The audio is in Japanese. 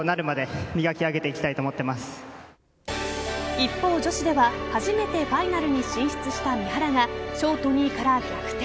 一方、女子では初めてファイナルに進出した三原がショート２位から逆転。